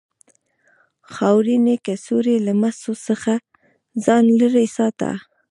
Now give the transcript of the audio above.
خاورینې کڅوړې له مسو څخه ځان لرې ساته.